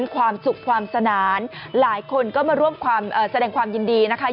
ความสุขความสนานหลายคนก็มาร่วมแสดงความยินดีนะคะ